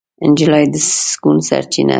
نجلۍ د سکون سرچینه ده.